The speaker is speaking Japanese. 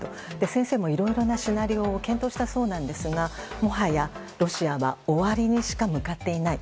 先生もいろいろなシナリオを検討したそうですがもはやロシアは終わりにしか向かっていない。